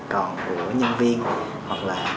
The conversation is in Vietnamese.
còn của nhân viên hoặc là